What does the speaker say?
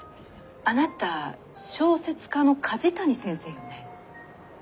あなた小説家の梶谷先生よね？